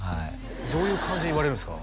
どういう感じで言われるんすか？